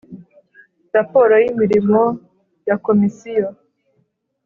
raporo y imirimo ya Komisiyo